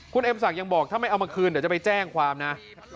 คุณเอ็มศักดิ์ยังบอกถ้าไม่เอามาคืนเดี๋ยวจะไปแจ้งความนะ